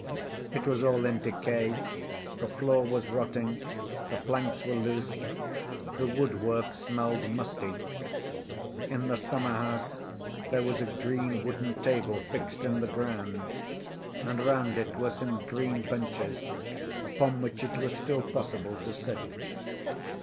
It was all in decay, the floor was rotting, the planks were loose, the woodwork smelled musty. In the summer‐house there was a green wooden table fixed in the ground, and round it were some green benches upon which it was still possible to sit.